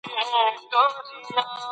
تاسو باید انار په یخ او سیوري ځای کې وساتئ.